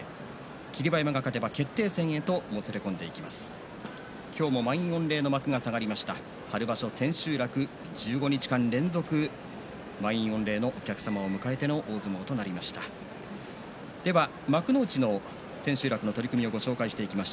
霧馬山が勝てば決定戦へともつれ込んでいきます。